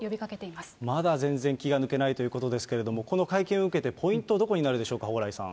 まだ全然気が抜けないということですけれども、この会見を受けて、ポイント、どこになるでしょうか、蓬莱さん。